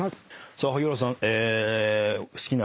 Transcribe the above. さあ萩原さん。